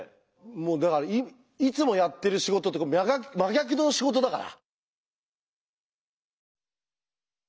もうだからいつもやってる仕事と真逆の仕事だから。